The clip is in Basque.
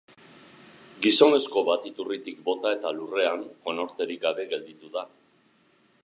Gizonezko bat iturritik bota eta lurrean, konorterik gabe, gelditu da.